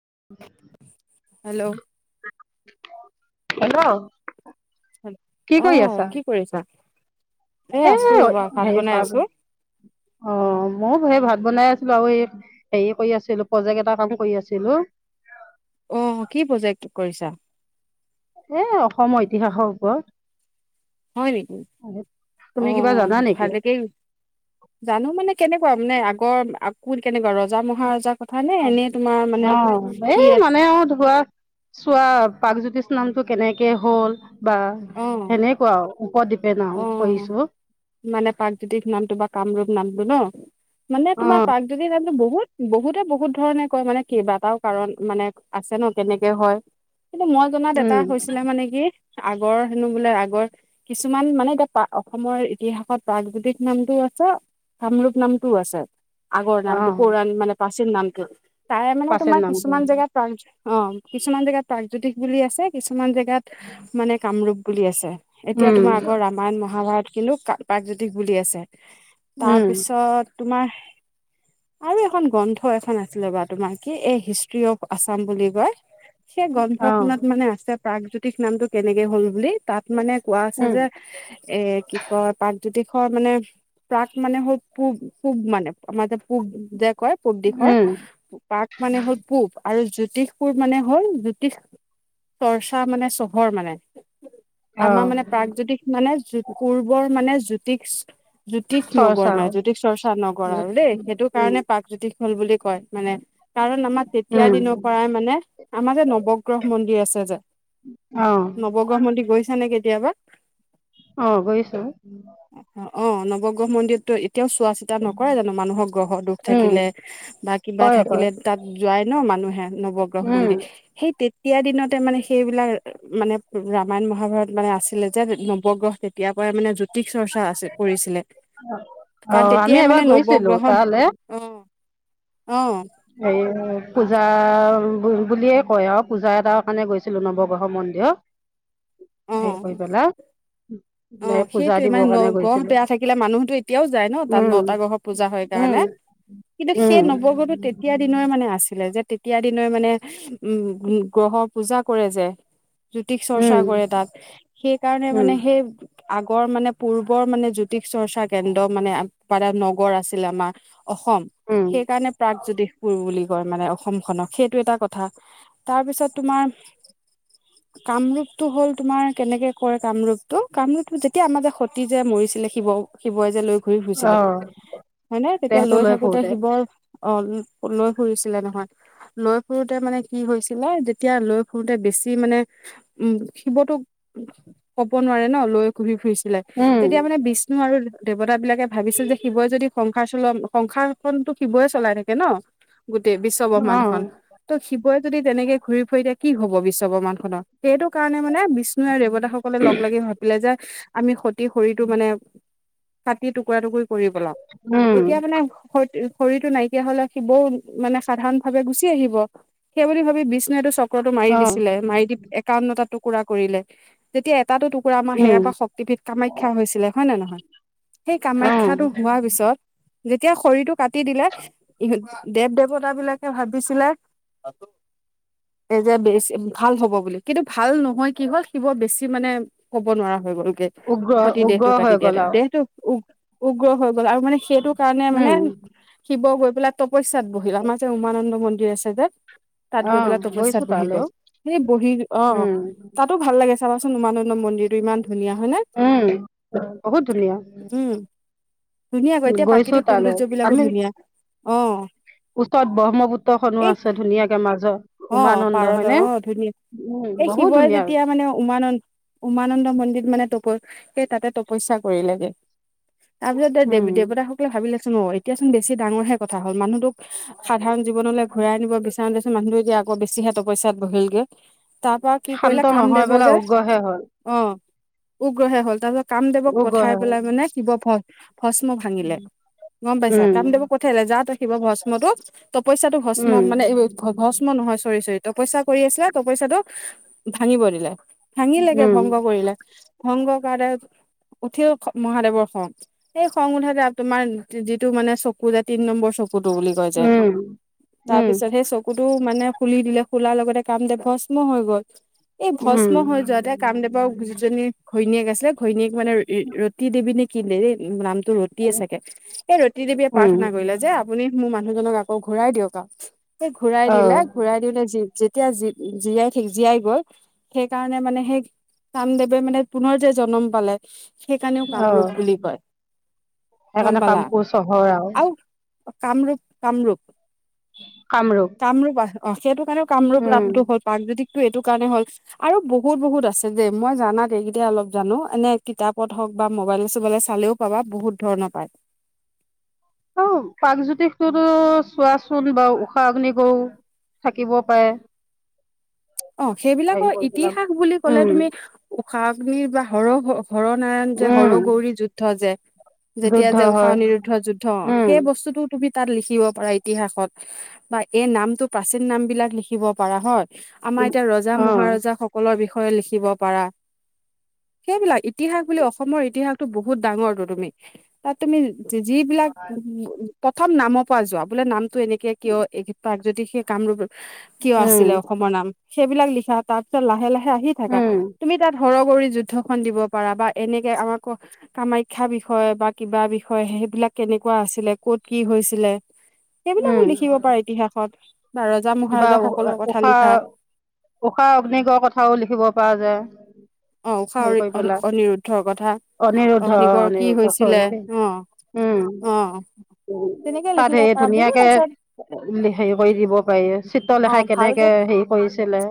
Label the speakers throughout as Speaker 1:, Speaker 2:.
Speaker 1: [inaudible]
Speaker 2: Hello
Speaker 1: hello কি
Speaker 2: অ
Speaker 1: কৰি আছা
Speaker 2: কি কৰিছা
Speaker 1: এ
Speaker 2: আছো ৰবা ভাত
Speaker 1: হেৰি
Speaker 2: বনাই
Speaker 1: পা
Speaker 2: আছো।
Speaker 1: অ মইও সেই ভাত বনাই আছিলোঁ আৰু এই হেৰি কৰিআছিলোঁ প্ৰজেক্ট এটা কাম কৰি আছিলোঁ
Speaker 2: অ কি প্ৰজেক্ট কৰিছা
Speaker 1: এ অসমৰ ইতিহাসৰ ওপৰত
Speaker 2: হয় নেকি অ
Speaker 1: তুমি কিবা জানা নেকি
Speaker 2: ভালেকেই জানো মানে কেনেকুৱা মানে আগৰ কোন কেনেকুৱা ৰজা মহাৰজাক
Speaker 1: অ এই
Speaker 2: আছে
Speaker 1: মানে আৰু ধোৱা চোৱা প্ৰাগজ্যোতিষ নামটো কেনেকে হ'ল বা
Speaker 2: অ
Speaker 1: সেনেকুৱা উপদ্বীপ
Speaker 2: অ মানে প্ৰাকজ্যোতিষ নামটো বা কামৰূপ নামটো ন মানে
Speaker 1: অ
Speaker 2: তোমাৰ প্ৰাগজ্যোতিষ নামতো বহুত বহুতে বহুত ধৰণে কয় মানে কেইবাটাও কাৰণ মানে আছে ন কেনেকে হয় কিন্তু মই জনাত এটা
Speaker 1: উম
Speaker 2: হৈছিলে মানে কি আগৰ হেনো বোলে আগৰ কিছু কিছুমান মানে এতিয়া অসমৰ ইতিহাসত প্ৰাগজ্যোতিক নামটো আছে, কামৰূপ নামটোও আছে, আগৰ
Speaker 1: অ
Speaker 2: নামটো পৌৰাণিক মানে প্ৰাচীন নামটো তাৰে মানে
Speaker 1: পাচেণ্ট
Speaker 2: তোমাৰ
Speaker 1: নামটো
Speaker 2: কিছুমান জেগাত প্ৰাক অ কিছুমান জেগাত প্ৰাগজ্যোতিষ বুলি আছে কিছুমান কিছুমান জেগাত মানে কামৰূপ বুলি আছে এতিয়া তোমাৰ
Speaker 1: উম
Speaker 2: আগৰ ৰামায়ণ মহাভাৰত কিন্তু কা প্ৰাগজোতিষ বুলি আছে
Speaker 1: উম
Speaker 2: তাৰপিছত তোমাৰ আৰু এখন গ্ৰন্থ এখন আছিলে বা তোমাৰ কি এই হিষ্ট্ৰী অফ আছাম বুলি কয় সেই গ্ৰন্থ
Speaker 1: অ
Speaker 2: খনত মানে আছে প্ৰাগজ্যোতিষ নামটো কেনেকে হ'ল বুলি তাত মানে কোৱা আছে
Speaker 1: উম
Speaker 2: যে এ কি কয় প্ৰাগজ্যোতিষ মানে প্ৰাক মানে হল পূব পূব মানে আমাৰ যে পূব কয় পূব দিশৰ
Speaker 1: উম
Speaker 2: পাক মানে হ'ল পূব আৰু জ্যোতিষপুৰ মানে হ'ল জ্যোতিষ চৰ্চা মানে চহৰ মানে
Speaker 1: অ
Speaker 2: প্ৰাকজ্যোতিষ মানে পূৰ্বৰ মানে জ্যোতিষ জ্যোতিষ নগৰ
Speaker 1: চৰ্চা
Speaker 2: মানে জ্যোতিষ চৰ্চা নগৰ আৰু দেই সেইটো
Speaker 1: উম
Speaker 2: কাৰণে প্ৰাগজ্যোতিষ হল বুলি কয় মানে কাৰণ আমাৰ তেতিয়া
Speaker 1: উম,
Speaker 2: দিনৰ পৰাই মানে আমাৰ যে নৱগ্ৰহ মন্দিৰ আছে যে
Speaker 1: অ',
Speaker 2: নৱগ্ৰহ মন্দিৰ গৈছা নেকি?
Speaker 1: অ গৈছো।
Speaker 2: অ নৱগ্ৰহ মন্দিৰতটো। কেতিয়াও চোৱা চিতা নকৰে জানো মানুহৰ গ্ৰহৰ দুখ
Speaker 1: উম,
Speaker 2: থাকিলে বা কিবা
Speaker 1: কৰে কৰে
Speaker 2: থাকিলে তাত। যোৱাই ন মানুহে নৱগ্ৰহ মন্দিৰ
Speaker 1: উম,
Speaker 2: সেই তে। তিয়াৰ দিনতে মানে সেইবিলাক মানে ৰামায়ণ মহাভাৰত মানে আছিলে। যেতিয়া নৱগ্ৰহ কেতিয়াৰ পৰা মানে জ্যোতিষ চৰ্চা আছে কৰিছিলে। কাৰণ
Speaker 1: অ', আমি
Speaker 2: তেতিয়াই
Speaker 1: এবাৰ
Speaker 2: মানে
Speaker 1: গৈছিলো
Speaker 2: নৱগ্ৰহণ
Speaker 1: তালে
Speaker 2: অ অ।
Speaker 1: এই পূজা বুলিয়ে কয় আৰু পূজা এটাৰ কাৰণে গৈছিলো নৱগ্ৰহ মন্দিৰত।
Speaker 2: অ
Speaker 1: সে কৰি পেলা।
Speaker 2: অ সেইটোয়ে মানে ন গ্ৰহ
Speaker 1: গৈছিলো
Speaker 2: বেয়া থাকিলে মানুহতো এতিয়াও যায় ন তাত
Speaker 1: উম,
Speaker 2: নটা গ্ৰহৰ পূজা হয়।
Speaker 1: উম,
Speaker 2: কিন্তু সেই
Speaker 1: উম,
Speaker 2: নৱগ্ৰহ টো। দিনৰে মানে আছিলে যে তেতিয়া দিনৰ্ মানে উম গ্ৰহৰ পূজা কৰে যে। জ্যোতিক চৰ্চা
Speaker 1: উম,
Speaker 2: কৰে তাত সেইকাৰণে
Speaker 1: উম,
Speaker 2: মানে সেই। আগৰ মানে পূৰ্বৰ মানে জ্যোতিষ চৰ্চা কেন্দ্ৰ মানে এটা নগৰ আছিল আমাৰ। অসম
Speaker 1: উম,
Speaker 2: সেইকাৰণে প্ৰাগজ্যোতিষপুৰ বুলি। কয় মানে অসমখনক সেইটো এটা কথা তাৰপিছত তোমাৰ। কামৰূপটো হ'ল। তোমাৰ কেনেকে কয় কামৰূপটো কামৰূপটো যেতিয়া আমাৰ যে সতি যে মৰিছিলে শিৱ শিৱই যে লৈ। ঘূৰি ফুৰিছিলে
Speaker 1: অ',
Speaker 2: হয় ন তেতিয়া
Speaker 1: দেহটো
Speaker 2: লৈ থাকোতে
Speaker 1: ফুৰোতে
Speaker 2: শিৱৰ অ লৈ ফুৰিছিলে নহয়, লৈ ফুুৰোতে মানে কি হৈছিলে যেতিয়া লৈ ফুুৰোতে বেছি মানে উম শিৱতোক কব নোৱাৰে ন লৈ ঘুৰি ফুৰিছিলে
Speaker 1: উম,
Speaker 2: তেতিয়া মানে বিষ্ণু আৰু দেৱতাবিলাকে ভাবিছিল যে শিৱই যদি সংসাৰ চলোৱা সংসাৰ খনতো শিৱয়ে চলাই থাকে ন। গোটেই বিশ্বব্ৰহ্মাণ্ডখন
Speaker 1: অ',
Speaker 2: ত শিব কৈ যদি তেনেকে ঘূৰি ফুৰি দিয়ে কি হব বিশ্বব্ৰহ্মাণ্ডখনৰ সেইটো কাৰণে মানে বিষ্ণু আৰু দেৱতাসকলে লগ লাগি ভাবিলে যে আমি সতি শৰীৰটো মানে কাটি টুকুৰা টুকুৰি কৰি পেলাও,
Speaker 1: উম,
Speaker 2: তেতিয়া মানে শ শৰীৰটো নাইকিয়া হলে সি বৌ মানে সাধাৰণ ভাৱে গুচি আহিব, সেই বুলি ভাবি বিষ্ণুটো চ কুকৰাটো মাৰি
Speaker 1: অ',
Speaker 2: দিছিলে মাৰি দি একাৱন্নটা টুকুৰা কৰিলে তেতিয়া তাতো টুকুৰা আমাৰ
Speaker 1: উম,
Speaker 2: সেয়াৰ পৰা শক্তিপীঠ কামাখ্যা হৈছিলে হয় নে নহয়? সেই
Speaker 1: অ',
Speaker 2: কামাখ্যাটো হোৱাৰ পিছত যেতিয়া শৰীৰটো কাটি দিলে, ইহত দেৱ দেৱতাবিলাক ভাবিছিলে, এই যে বেছি ভাল হ'ব বুলি কিন্তু ভাল নহয় কি হ'ল শিৱৰ বেছি মানে ক'ব নোৱাৰা হৈ গলগে
Speaker 1: উগ্ৰ
Speaker 2: স, তি দেহটো
Speaker 1: উগ্ৰ হৈ
Speaker 2: কাটি
Speaker 1: গ'ল
Speaker 2: দিয়াতে
Speaker 1: আৰু
Speaker 2: দেহটো উ উগ্ৰ হৈ গ'ল আৰু মানে সেইটো কাৰণে মানে
Speaker 1: উম,
Speaker 2: শিৱ গৈ পেলাই তপস্যাত বহিল, আমাৰ যে উমানন্দ মন্দিৰ আছে যে তাত গৈ পেলাই
Speaker 1: অ', গৈছো
Speaker 2: তপস্যাত বহি
Speaker 1: তালৈও
Speaker 2: গ'ল সেই বহি অ
Speaker 1: উম,
Speaker 2: তাতো ভাল লাগে চাবাচোন উমানন ন মন্দিৰটো ইমান ধুনীয়া হয় নে
Speaker 1: উম, বহুত ধুনীয়া
Speaker 2: উম। ধুনীয়াকৈ এতিয়া
Speaker 1: গৈছো
Speaker 2: প্ৰাকৃতিক
Speaker 1: তালৈ
Speaker 2: সৌন্দৰ্যবিলাকো
Speaker 1: আমি
Speaker 2: ধুনীয়া অ।
Speaker 1: ওচৰত ব্ৰহ্মপুত্ৰখনো
Speaker 2: এই
Speaker 1: আছে ধুনীয়াকে মাজত
Speaker 2: অ
Speaker 1: উমানন্দ
Speaker 2: পাৰত
Speaker 1: হয়নে?
Speaker 2: অ ধুনীয়া
Speaker 1: উম,
Speaker 2: এই
Speaker 1: বহুত
Speaker 2: শিৱই
Speaker 1: ধুনীয়া
Speaker 2: যেতিয়া মানে উমানন্দ উমানন্দ মন্দিৰ মানে বৈ সেই তাতে তপস্যা কৰিলেগে, তাৰপিছত দে
Speaker 1: উম,
Speaker 2: দেৱতাসকলে ভাবিলে অ এতিয়া চোন বেছি ডাঙৰ হে কথা হল মানুহটোক সাধাৰণ জীৱনলৈ ঘূৰাই নিব বি চাওঁ দে মানুহটো এতিয়া আকৌ বেছিহে তপস্যাত বহিলগৈ। তাৰ পৰা কি
Speaker 1: শান্ত
Speaker 2: কৰিলে কাম
Speaker 1: নহয়
Speaker 2: দেব
Speaker 1: পেলাই
Speaker 2: যে
Speaker 1: উগ্ৰহে হ'ল
Speaker 2: অ উগ্ৰহে হ'ল তাৰ পিছত কামদেৱক
Speaker 1: উগ্ৰহে
Speaker 2: পঠাই
Speaker 1: হ'ল
Speaker 2: পেলাই মানে শিব ভয় ভস্ম ভাঙিলে, গম পাইছা
Speaker 1: উম,
Speaker 2: কামদেৱক পঠিয়ালে যাতে শিব ভস্মটোক তপস্যাটো ভস্ম
Speaker 1: উম,
Speaker 2: মানে ভস্ম নহয় চৰি চৰি তপস্যা কৰি আছিলে তপস্যাটো ভাঙিব দিলে, ভাঙিলেকে
Speaker 1: উম,
Speaker 2: ভংগ কৰিলে ভংগ কৰাতে উঠি মহাদেৱৰ খং, সেই খং উঠা তোমাৰ যিটো মানে চকু যে তিন নম্বৰ চকু চকুটো বুলি কয় যে,
Speaker 1: উম,
Speaker 2: তাৰ
Speaker 1: উম,
Speaker 2: পিছত সেই চকুটো মানে খুলি দিলে খুলাৰ লগতে কাম দেৱ ভস্ম হৈ গল, এই ভস্ম
Speaker 1: উম,
Speaker 2: হৈ যোৱাতে কামদেৱৰ যিজনী ঘৈণীয়েক আছিলে ঘৈণীয়েক মানে ৰুতি দিবি নে কি দেৱী নাম ৰুতিয়ে চাগে সেই ৰুতি দেৱীয়ে
Speaker 1: উম,
Speaker 2: প্ৰাৰ্থনা কৰিলে যে আপুনি মোৰ মানুহ মানুহজনক আকৌ ঘূৰাই দিয়ক আৰু সেই ঘূৰাই দিলে
Speaker 1: অ',
Speaker 2: ঘূৰাই দিওঁতে যেতিয়া যি জীয়াই থাকি জীয়াই গ'ল সেইকাৰণে মানে সেই কামদেৱে মানে পুনৰ যে জন্ম পালে সেইকাৰণেও
Speaker 1: অ',
Speaker 2: কামৰূপ বুলি কয়, গম
Speaker 1: সেইকাৰণে
Speaker 2: পালা
Speaker 1: কামপুৰ চহৰ
Speaker 2: আৰু কামৰূপ কামৰূপ কামৰূপ আ অ সেইটো কাৰণেও কামৰূপ
Speaker 1: উম,
Speaker 2: নামটো হ'ল কাৰণ যদি এইটো কাৰণে হ'ল আৰু বহুত বহুত আছে যে মই জানাত এইকেইটাই অলপ জানো এনে কিতাপত হওঁক বা মোবাইলে চোবাইলে চালেও পাবা বহুত ধৰণৰ পায়।
Speaker 1: অ প্ৰাকজ্যোতিষটোতো চোৱাচোন বা ঊষা অগ্নি গৌ থাকিব পাৰে।
Speaker 2: অ
Speaker 1: হেৰি
Speaker 2: সেইবিলাকৰ
Speaker 1: কৰি পেলাম
Speaker 2: ইতিহাস বুলি ক'লে
Speaker 1: উম
Speaker 2: তুমি ঊষা অগ্নিৰ বা হৰহ হৰনাৰায়ণ যে হৰ
Speaker 1: উম
Speaker 2: গৌৰী যুদ্ধ যে যেতিয়া
Speaker 1: যুদ্ধ
Speaker 2: যে ঊষা
Speaker 1: হয়
Speaker 2: অনিৰুদ্ধ যুদ্ধ,
Speaker 1: উম
Speaker 2: সেই বস্তুটো তুমি তাত লিখিব পাৰা ইতিহাসত বা এই নামটো প্ৰাচীন নাম বিলাক লিখিব পাৰা হয়। আমাৰ
Speaker 1: উম
Speaker 2: এতিয়া ৰজা
Speaker 1: অ
Speaker 2: মহাৰজাসকলৰ বিষয়ে লিখিব পাৰা। সেইবিলাক ইতিহাস বুলি অসমৰ ইতিহাসতটো বহুত ডাঙৰটো তুমি তাত তুমি যিবিলাক উ প্ৰথম নামৰ পৰা যোৱা বোলে নামটো এনেকে কিয় এই যদি সেই কামৰূপ কিয়
Speaker 1: উম
Speaker 2: আছিলে অসমৰ নাম? সেইবিলাক লিখা তাৰ পিছত লাহে লাহে আহি থাকা
Speaker 1: উম
Speaker 2: তুমি তাত সৰ কৰি যুদ্ধ খন দিব পাৰা বা এনেকে আমাক কামাখ্যা বিষয় বা কিবা বিষয়। হে সেইবিলাক কেনেকুৱা আছিলে ক'ত কি হৈছিলে? সেইবিলাকো
Speaker 1: উম
Speaker 2: লিখিব পাৰে ইতিহাসত। বা ৰজা
Speaker 1: বা
Speaker 2: মহাৰজা সকলো কথা
Speaker 1: ঊষা
Speaker 2: লিখা।
Speaker 1: ঊষা অগ্নগড় কথাও লিখিব পৰা যায়। [unintelligible]
Speaker 2: অ উষা
Speaker 1: হেৰি কৰিব পেলা
Speaker 2: অনিৰুদ্ধৰ কথা
Speaker 1: অনিৰুদ্ধ
Speaker 2: অগ্নিগড় কি
Speaker 1: অনিৰুদ্ধ
Speaker 2: হৈছিলে
Speaker 1: চৰি দেই।
Speaker 2: অ
Speaker 1: উম
Speaker 2: অ তেনেকে
Speaker 1: তাত
Speaker 2: লিখিব
Speaker 1: হে
Speaker 2: পাৰা বহুত
Speaker 1: ধুনীয়াকে
Speaker 2: আছে
Speaker 1: হেৰি কৰি দিব। চিত্ৰ
Speaker 2: অ
Speaker 1: লেখাই
Speaker 2: ভালকে
Speaker 1: কেনেকে হেৰি কৰিছিলে?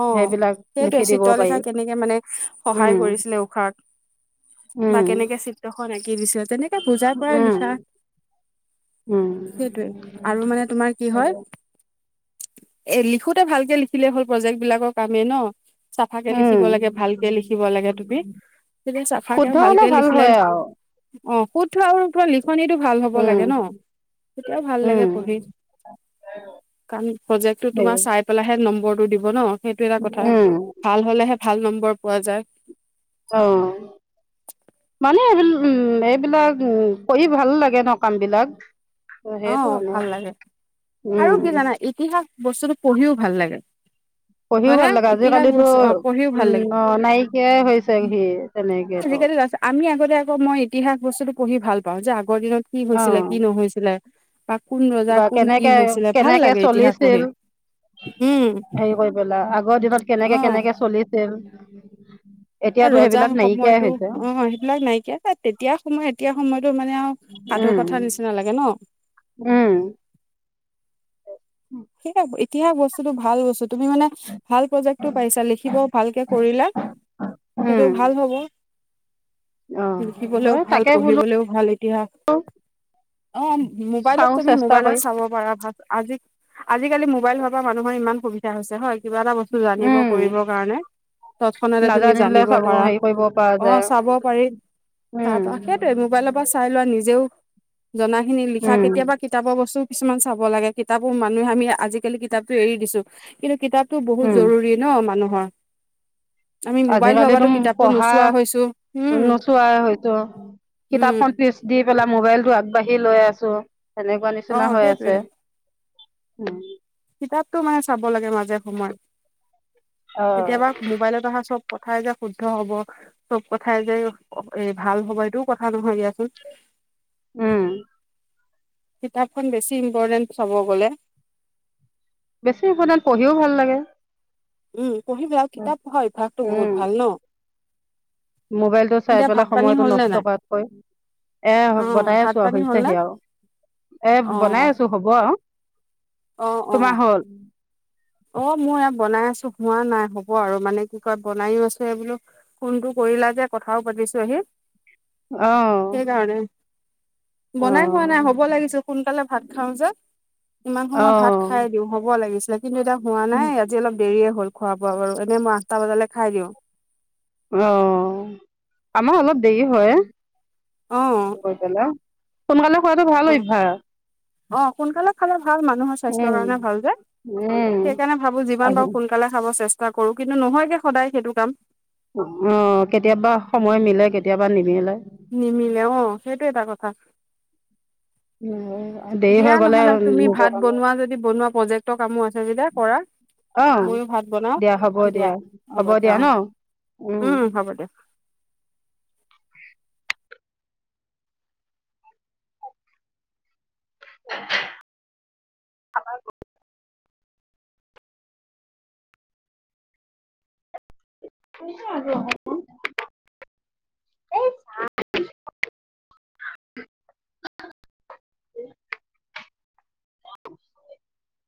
Speaker 2: অ
Speaker 1: সেইবিলাক
Speaker 2: সেইটোৱে
Speaker 1: লিখি দিব পাৰি
Speaker 2: চিত্ৰলেখা কেনেকে মানে সহায়
Speaker 1: উম
Speaker 2: কৰিছিলে উশাক। বা
Speaker 1: উম,
Speaker 2: কেনেকে চিত্ৰখন আঁকি দিছিলে তেনেকে বুজাই পৰাই
Speaker 1: উম,
Speaker 2: লিখা।
Speaker 1: উম,
Speaker 2: সেইটোৱে আৰু মানে তোমাৰ কি হয়? এ লিখোতে ভালকে লিখিলে হ'ল প্ৰজেক্ট বিলাকৰ আমি ন। চাফা কে লিখিব
Speaker 1: উম।
Speaker 2: লাগে ভালকে লিখিব লাগে তুমি। তেতিয়া চাফাকে
Speaker 1: শুদ্ধ হ'লে
Speaker 2: ভালকে
Speaker 1: ভাল
Speaker 2: লিখিলে
Speaker 1: হয় আৰু
Speaker 2: অ শুদ্ধ অশুদ্ধ লি [unintelligible] লিখনিটো ভাল হ'ব
Speaker 1: উম,
Speaker 2: লাগে ন তেতিয়াও ভাল লাগে
Speaker 1: উম।
Speaker 2: পঢ়ি। কাৰণ প্ৰজেক্টো তোমাৰ
Speaker 1: সেই-
Speaker 2: চাই পেলাইহে নম্বৰ দিব ন সেইটো এটা কথা
Speaker 1: উম,
Speaker 2: ভাল হলেহে ভাল নম্বৰ পোৱা যায়।
Speaker 1: অ মানে উম এইবিলাক উ কৰি ভাল লাগে ন কাম বিলাক।
Speaker 2: অ
Speaker 1: সেইটো কাৰণে।
Speaker 2: ভাল লাগে
Speaker 1: উম,
Speaker 2: আৰু কি জানা ইতিহাস বস্তুটো পঢ়িও ভাল লাগে।
Speaker 1: [inaudible] পঢ়িও
Speaker 2: হয় নে
Speaker 1: ভাল লাগে
Speaker 2: ইতিহাস
Speaker 1: আজিকালিতো
Speaker 2: বস্তু অ পঢ়িও ভাল
Speaker 1: উম
Speaker 2: লাগে
Speaker 1: অ নায়কিয়াই হৈছে সি তেনেকেতো।
Speaker 2: তাৰ আমি আগতে আকৌ মই ইতিহাস বস্তুতটো পঢ়ি ভাল পাওঁ যে আগৰ দিনত কি হৈছিলে কি
Speaker 1: অ'
Speaker 2: নহৈছিলে। বা কোন ৰজা
Speaker 1: বা
Speaker 2: কোন কি
Speaker 1: কেনেকে
Speaker 2: হৈছিলে ভাল
Speaker 1: কেনেকে
Speaker 2: লাগে ইতিহাস
Speaker 1: চলিছিল?
Speaker 2: পঢ়ি উম
Speaker 1: হেৰি কৰি পেলা আগৰ দিনত কেনেকে
Speaker 2: অ
Speaker 1: কেনেকে চলিছিল? এতিয়াতো সেইবিলাক
Speaker 2: ৰজাৰ
Speaker 1: নাইকিয়াই
Speaker 2: সময়তো
Speaker 1: হৈছে
Speaker 2: অ সেইবিলাক নাইকিয়া তেতিয়া সময় এতিয়া সময়ত টো মানে আৰু সাধু
Speaker 1: উম।
Speaker 2: কথা নিচিনা লাগে
Speaker 1: উম
Speaker 2: ন। সেয়াই এতিয়া বস্তুতটো ভাল বস্তু। তুমি মানে ভাল প্ৰজেক্টটো পাইছা লিখিব ভালকে কৰিলা।
Speaker 1: উম
Speaker 2: সেইটো ভাল হ'ব।
Speaker 1: অ
Speaker 2: লিখিবলৈও
Speaker 1: হয়
Speaker 2: ভাল
Speaker 1: তাকে বোলো
Speaker 2: পঢ়িবলৈও ভাল ইতিহাস। অঁ মোবাইলত
Speaker 1: চাও
Speaker 2: তুমি
Speaker 1: চেষ্টা
Speaker 2: মোবাইলত
Speaker 1: কৰি
Speaker 2: চাব পাৰা ভাল আজি- আজিকালি মোবাইল হোৱাৰ পৰা মানুহৰ ইমান সুবিধা হৈছে হয়। কিবা এটা বস্তু জানিব
Speaker 1: উম
Speaker 2: কৰিবৰ কাৰণে তৎক্ষণতে তুমি
Speaker 1: নাজানিলে
Speaker 2: জানিব
Speaker 1: চাব
Speaker 2: পাৰা।
Speaker 1: হেৰি কৰিব পৰা
Speaker 2: অঁ
Speaker 1: যায়
Speaker 2: চাব পাৰি তাৰ
Speaker 1: উম
Speaker 2: পাৰি। তাকেই টো মোবাইলৰ পৰা চাই লোৱা নিজেও- জনা খিনি লিখা
Speaker 1: উম
Speaker 2: কেতিয়াবা কিতাপৰ বস্তুও কিছুমান চাব লাগে। - কিতাপ মানুহে আমি আজিকালি কিতাপতো এৰি দিছো কিন্তু কিতাপতো বহুত জৰুৰী ন' মানুহৰ। [inaudible]
Speaker 1: আজি
Speaker 2: মোবাইল হোৱাৰ
Speaker 1: কালিতো
Speaker 2: পৰাতো
Speaker 1: টো
Speaker 2: কিতাপটো
Speaker 1: পঢ়া
Speaker 2: নোচোৱা হৈছো উম
Speaker 1: নোচোৱাই হয়তো।
Speaker 2: উম
Speaker 1: কিতাপখন পিচ দি পেলাই মোবাইল আগ- বাঢ়ি লৈ আছো সেনেকুৱা
Speaker 2: অ
Speaker 1: নিচিনা হৈ
Speaker 2: সেইটোৱে
Speaker 1: আছে। উম'
Speaker 2: কিতাপতটো মানে চাব লাগে মাজে সময়ে।
Speaker 1: অ
Speaker 2: কেতিয়াবা মোবাইলত অহা চব- কথাই যে শুদ্ধ হব চব কথাই যে এ ভাল হ'ব এইটোও কথা নহয় দিয়াচোন।
Speaker 1: উম'
Speaker 2: কিতাপখন বেছি ইম্পৰটেন্ট চাব গ'লে।
Speaker 1: বেছি ইম্পৰটেন্ট পঢ়িও ভাল লাগে।
Speaker 2: উম পঢ়িবা আৰু কিতাপ পঢ়া অভ্যাসটো
Speaker 1: উম
Speaker 2: বহুত ভাল ন।
Speaker 1: মোবাইলটো চাই
Speaker 2: এতিয়া
Speaker 1: পেলাই
Speaker 2: ভাত পানী
Speaker 1: সময়তটো
Speaker 2: হ'ল নে
Speaker 1: নষ্ট
Speaker 2: নাই
Speaker 1: কৰাতকৈ।
Speaker 2: অ
Speaker 1: এ' বনাই
Speaker 2: ভাত
Speaker 1: আছো আৰু
Speaker 2: পানী হ'ল নে
Speaker 1: হৈছেহি আৰু
Speaker 2: অ
Speaker 1: এ 'বনাই আছো হ'ব আৰু। তোমাৰ হ'ল?
Speaker 2: অঁ মই ইয়াত বনাই আছো হোৱা নাই হ'ব আৰু মানে কি কয় বনাইও আছো এই বোলো ফোনটো কৰিলা- যে কথাও পাতিছো আহি।
Speaker 1: অঁহ
Speaker 2: সেইকাৰণে বনাই হোৱা নাই হ'ব লাগিছিল সোনকালে ভাত খাওঁ যে। ইমান সময় ভাত খাই
Speaker 1: অ',
Speaker 2: দিওঁ হ'ব লাগিছিলে কিন্তু এতিয়া হোৱা
Speaker 1: উম,
Speaker 2: নাই আজি অলপ দেৰিয়ে- হ'ল খোৱা বোৱা বাৰু এনেই মই আঠটা বজালে খাই দিওঁ।
Speaker 1: অ আমাৰ অলপ দেৰি হয়ে।
Speaker 2: অ
Speaker 1: গৈ পেলাই সোনকালে খোৱাতটো ভাল অভ্যাস।
Speaker 2: অঁ সোনকালে খালে- ভাল মানুহৰ স্বাস্থ্যৰ
Speaker 1: উম,
Speaker 2: কাৰণে ভাল যে
Speaker 1: উম,
Speaker 2: সেইকাৰণে ভাবো যিমান পাৰো সোনকালে খাব চেষ্টা - কৰো কিন্তু নহয়গে সদায় সেইটো কাম।
Speaker 1: অঁ কেতিয়াবা সময় মিলে কেতিয়াবা নিমিলে।
Speaker 2: নিমিলে অঁ সেইটো এটা কথা।
Speaker 1: দেৰি
Speaker 2: দিয়া
Speaker 1: হৈ গ'লে
Speaker 2: নহলে তুমি
Speaker 1: নিজৰ
Speaker 2: ভাত
Speaker 1: কাৰণে
Speaker 2: বনোৱা যদি বনোৱা প্ৰজেক্- ত কামো আছে যেতিয়া কৰা।
Speaker 1: অ',
Speaker 2: মইও ভাত বনাও দিয়া হ'ব দিয়া অঁ। উম' হ'ব দিয়া।
Speaker 1: [unintelligible] [unintelligible] [unintelligible] [unintelligible]